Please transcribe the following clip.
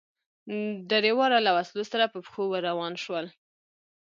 درېواړه له وسلو سره په پښو ور روان شول.